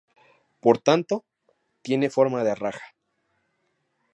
Por tanto, tiene forma de raja.